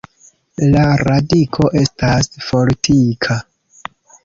La radiko estas fortika.